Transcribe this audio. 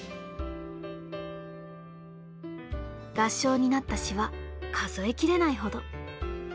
合唱になった詩は数え切れないほど。